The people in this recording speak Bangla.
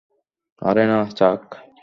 আরে না, চাক।